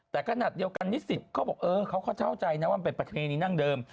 แต่ขนาดเดียวกันนิสิตเขาบอกเออเขาก็เข้าใจนะว่ามันเป็นประเพณีนั่งเดิม